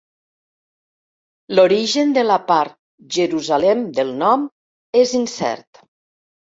L'origen de la part "Jerusalem" del nom és incert.